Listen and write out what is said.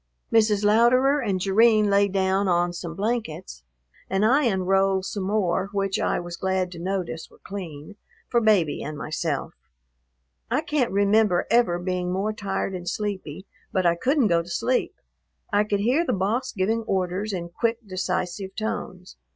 Mrs. Louderer and Jerrine lay down on some blankets and I unrolled some more, which I was glad to notice were clean, for Baby and myself. I can't remember ever being more tired and sleepy, but I couldn't go to sleep. I could hear the boss giving orders in quick, decisive tones.